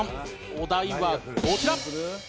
お題はこちら！